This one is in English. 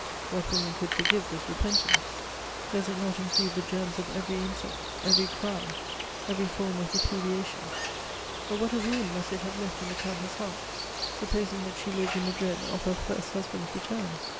What woman could forgive this repentance? Does it not include the germs of every insult, every crime, every form of repudiation? But what a wound must it have left in the Countess' heart, supposing that she lived in the dread of her first husband's return?